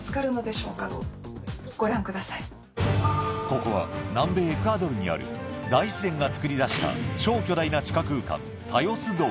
ここは南米エクアドルにある大自然がつくり出した超巨大な地下空間